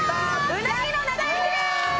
うなぎの長焼きです！